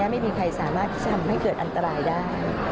ไม่มีใครสามารถที่จะทำให้เกิดอันตรายได้